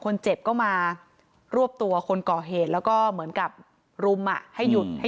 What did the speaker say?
คนเจ็บก็มารวบตัวคนก่อเหตุแล้วก็เหมือนกับรุมอ่ะให้หยุดให้